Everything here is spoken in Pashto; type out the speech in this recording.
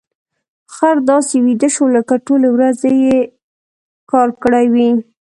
خر داسې ویده شو لکه ټولې ورځې يې کار کړی وي.